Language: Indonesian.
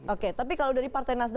oke tapi kalau dari partai nasdem